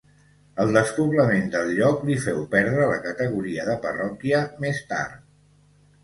El despoblament del lloc li féu perdre la categoria de parròquia més tard.